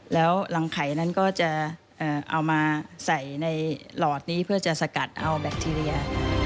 แล้วรังไข่นั้นก็จะเอามาใส่ในหลอดนี้เพื่อจะสกัดเอาแบคทีเรีย